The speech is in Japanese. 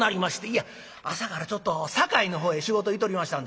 いや朝からちょっと堺のほうへ仕事行っとりましたんです。